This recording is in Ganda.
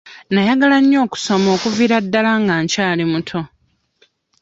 Nayagala nnyo okusoma okuviira ddala nga nkyali muto.